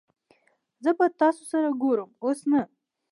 زه به تاسو سره ګورم اوس نه